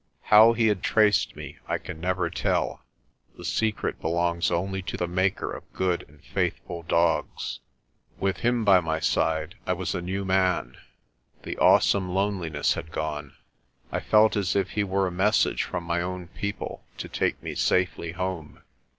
How he had traced me I can never tell. The secret belongs only to the Maker of good and faithful dogs. With him by my side I was a new man. The awesome loneliness had gone. I felt as if he were a message from my own people to take me safely home.